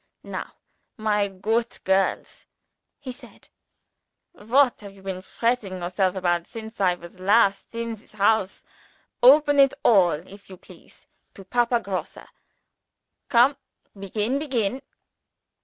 "Now my goot girls," he said. "What have you been fretting yourself about since I was last in this house? Open it all, if you please, to Papa Grosse. Come begin begin!"